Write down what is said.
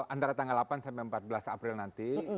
antara tanggal delapan sampai empat belas april nanti